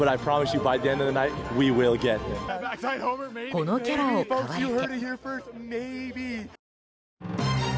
このキャラを買われて。